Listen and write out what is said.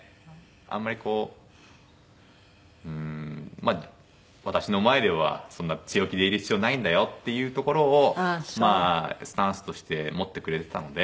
あんまりこう私の前ではそんな強気でいる必要ないんだよっていうところをまあスタンスとして持ってくれてたので。